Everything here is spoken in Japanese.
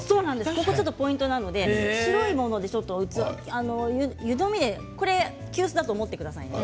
ここがポイントなので白い湯飲みでこれを急須だと思ってください。